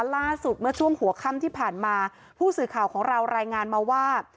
ล่าสุดเมื่อช่วงหัวค่ำที่ผ่านมาผู้สื่อข่าวของเรารายงานมาว่า